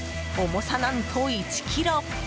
重さ何と１ｋｇ。